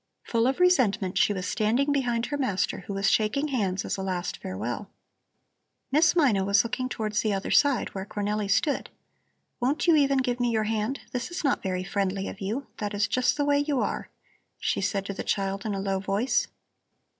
Full of resentment, she was standing behind her master, who was shaking hands as a last farewell. Miss Mina was looking towards the other side, where Cornelli stood: "Won't you even give me your hand? This is not very friendly of you. That is just the way you are," she said to the child in a low voice.